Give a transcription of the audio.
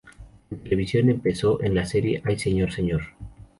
En televisión empezó en la serie "¡Ay Señor, Señor!